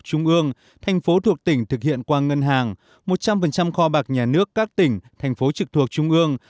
trung ương thành phố thuộc tỉnh thực hiện qua ngân hàng một trăm linh kho bạc nhà nước các tỉnh thành phố trực thuộc trung ương